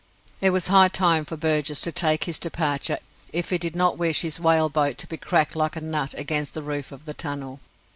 It was high time for Burgess to take his departure if he did not wish his whale boat to be cracked like a nut against the roof of the tunnel.